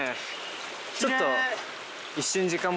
ちょっと。